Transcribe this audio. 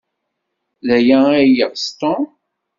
D aya ay yeɣs Tom?